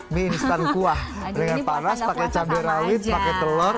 mie instan kuah dengan panas pakai cabai rawit pakai telur